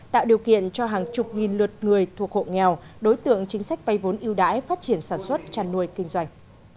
tạo điều kiện cho hàng chục nghìn lượt người thuộc hộ nghèo đối tượng chính sách vay vốn ưu đãi phát triển sản xuất tràn nuôi kinh doanh